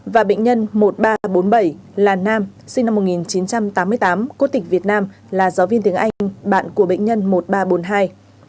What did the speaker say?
và bệnh nhân một nghìn ba trăm bốn mươi bảy là nam sinh năm một nghìn chín trăm tám mươi tám quốc tịch việt nam là giáo viên tiếng anh bạn của bệnh nhân một nghìn ba trăm bốn mươi hai